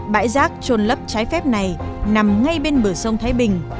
bãi rác trôn lấp trái phép này nằm ngay bên bờ sông thái bình